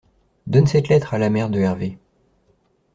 Donne cette lettre à la mère de Herve.